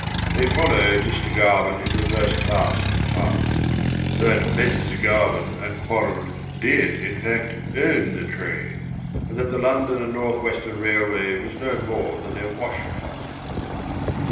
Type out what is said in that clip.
They followed Mr. Garvin into the first class compartment; and it soon appeared that Messrs. Garvin and Quorrall did in fact own the train, and that the London and North Western Railway was no more than their wash pot.